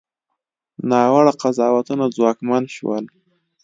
ناوړه قضاوتونه ځواکمن شول.